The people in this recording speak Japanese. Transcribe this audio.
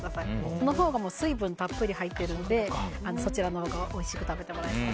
そのほうが水分たっぷり入っているのでそちらのほうがおいしくいただけます。